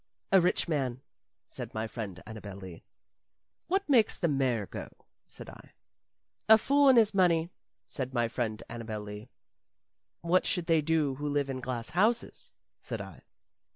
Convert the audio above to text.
"A rich man," said my friend Annabel Lee. "What makes the mare go?" said I. "A fool and his money," said my friend Annabel Lee. "What should they do who live in glass houses?" said I.